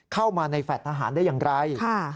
เข้ามาในแฟลต์ทหารได้อย่างไร